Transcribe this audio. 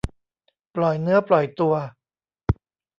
ปล่อยเนื้อปล่อยตัว